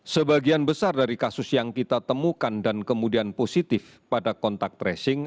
sebagian besar dari kasus yang kita temukan dan kemudian positif pada kontak tracing